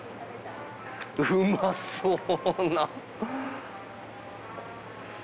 うまそうな。